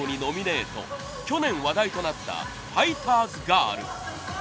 去年話題となったファイターズガール。